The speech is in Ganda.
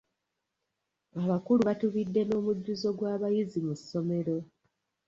Abakulu batubidde n'omujjuzo gw'abayizi mu ssomero.